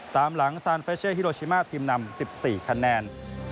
ตามหลังซานเฟชเช่ฮิโรชิมาทีมนำ๑๔คะแนน